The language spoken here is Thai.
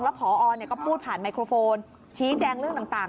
พอก็พูดผ่านไมโครโฟนชี้แจงเรื่องต่าง